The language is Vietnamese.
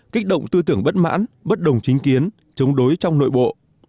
kích động tư tưởng bất mãn bất đồng chính kiến chống đối trong nội bộ